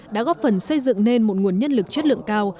đã góp phần xây dựng nên một nguồn nhân lực chất lượng cao